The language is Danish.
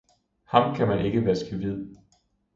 Ham kan man ikke vaske hvid.